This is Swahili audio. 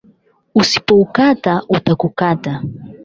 Usipoukata utakukata